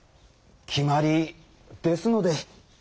決まりですので。